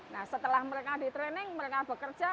nah setelah mereka di training mereka bekerja